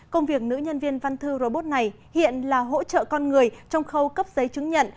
công việc nữ nhân viên văn thư robot này hiện là hỗ trợ con người trong khâu cấp giấy chứng nhận